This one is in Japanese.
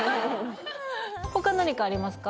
他何かありますか？